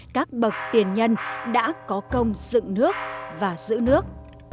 các bậc tiền nhân đã có công dựng nước và giữ nước